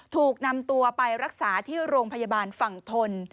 ถูกนำตัวไปรักษาที่โรงพยาบาลฝั่งทน